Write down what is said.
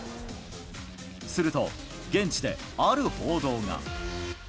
すると、現地である報道が。